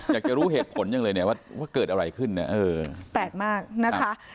อยากจะรู้เหตุผลจังเลยเนี่ยว่าเกิดอะไรขึ้นเนี่ยเออแปลกมากนะคะ